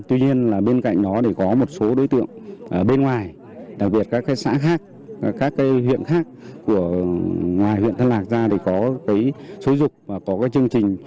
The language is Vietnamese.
tuy nhiên bên cạnh đó có một số đối tượng bên ngoài đặc biệt các xã khác các huyện khác ngoài huyện tân lạc ra để có số dục và có chương trình